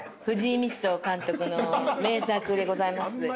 藤井道人監督の名作でございます